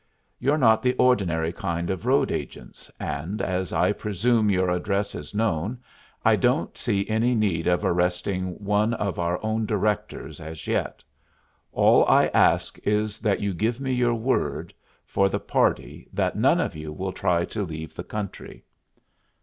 You're not the ordinary kind of road agents, and, as I presume your address is known, I don't see any need of arresting one of our own directors as yet. All I ask is that you give me your word, for the party, that none of you will try to leave the country."